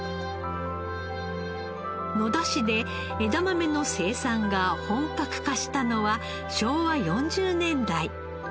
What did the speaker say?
野田市で枝豆の生産が本格化したのは昭和４０年代。